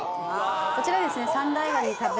こちらはですね。